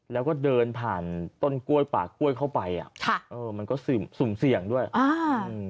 แล้วก็เดินผ่านต้นกล้วยป่ากล้วยเข้าไปอ่ะค่ะเออมันก็ซึมสุ่มเสี่ยงด้วยอ่า